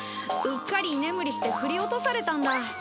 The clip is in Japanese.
うっかり居眠りして振り落とされたんだ。